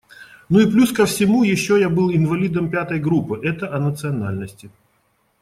Ну и плюс ко всему еще я был «инвалидом пятой группы» - это о национальности.